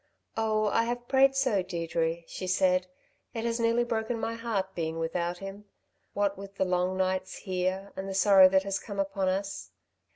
"Oh, I have prayed so, Deirdre," she said, "It has nearly broken my heart being without him ... what with the long nights here, and the sorrow that has come upon us...."